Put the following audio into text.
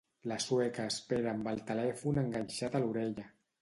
La sueca espera amb el telèfon enganxat a l'orella.